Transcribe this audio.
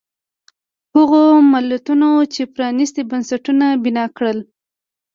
هغو ملتونو چې پرانیستي بنسټونه بنا کړل.